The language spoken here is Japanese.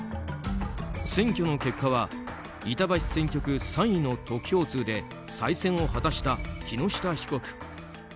選挙の結果は板橋選挙区３位の得票数で再選を果たした木下被告。